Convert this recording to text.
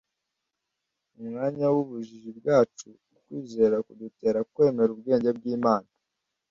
Mu mwanya w’ubujiji bwacu, ukwizera kudutera kwemera ubwenge bw’Imana